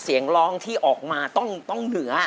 เสียงร้องที่ออกมาต้องเหนือ